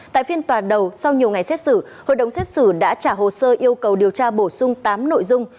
tại phiên tòa đầu sau nhiều ngày xét xử hội đồng xét xử đã trả hồ sơ yêu cầu điều tra bổ sung tám nội dung